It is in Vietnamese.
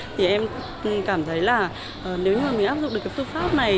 thì em cảm thấy là nếu như mình áp dụng được cái phương pháp này